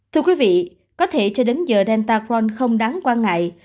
thưa quý vị có thể cho đến giờ delta cron không đáng quan ngại